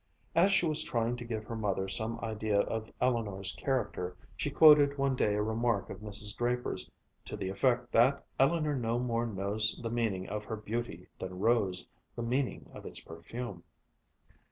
As she was trying to give her mother some idea of Eleanor's character, she quoted one day a remark of Mrs. Draper's, to the effect that "Eleanor no more knows the meaning of her beauty than a rose the meaning of its perfume."